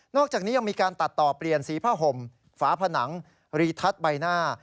อกจากนี้ยังมีการตัดต่อเปลี่ยนสีผ้าห่มฝาผนังรีทัศน์ใบหน้า